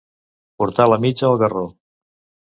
Portar la mitja al garró.